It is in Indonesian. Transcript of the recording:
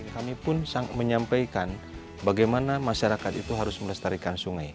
kami pun menyampaikan bagaimana masyarakat itu harus melestarikan sungai